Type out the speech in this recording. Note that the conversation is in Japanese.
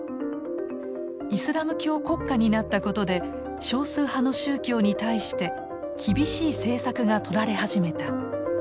イスラム教国家になったことで少数派の宗教に対して厳しい政策がとられ始めた。